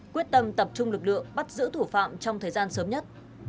quyết tâm tập trung lực lượng bắt giữ thủ phạm trong thời gian sớm nhất